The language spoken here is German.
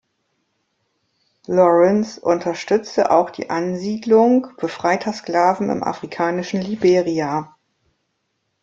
Lawrence unterstützte auch die Ansiedlung befreiter Sklaven im afrikanischen Liberia.